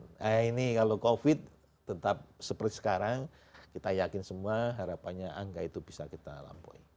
nah ini kalau covid tetap seperti sekarang kita yakin semua harapannya angka itu bisa kita lampaui